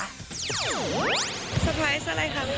เซอร์ไพรส์อะไรคะ